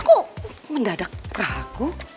kok mendadak ragu